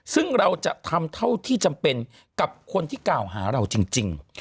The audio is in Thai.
ซึ่งเราจะทำเท่าที่จำเป็นกับคนที่กล่าวหาเราจริง